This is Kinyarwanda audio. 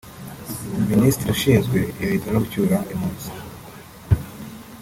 Minisitiri ushinzwe ibiza no gucyura impunzi